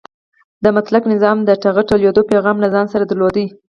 د مطلقه نظام د ټغر ټولېدو پیغام له ځان سره درلود.